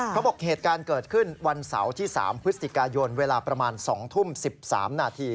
เหตุการณ์เกิดขึ้นวันเสาร์ที่๓พฤศจิกายนเวลาประมาณ๒ทุ่ม๑๓นาที